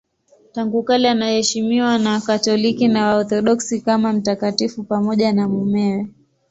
Tangu kale anaheshimiwa na Wakatoliki na Waorthodoksi kama mtakatifu pamoja na mumewe.